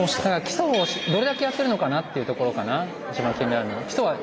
基礎をどれだけやってるのかなっていうところかな一番気になるのは。